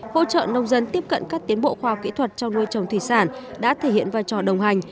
hỗ trợ nông dân tiếp cận các tiến bộ khoa học kỹ thuật trong nuôi trồng thủy sản đã thể hiện vai trò đồng hành